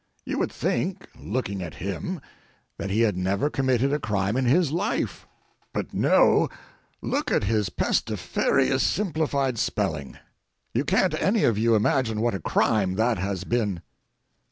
You would think, looking at him, that he had never committed a crime in his life. But no—look at his pestiferious simplified spelling. You can't any of you imagine what a crime that has been.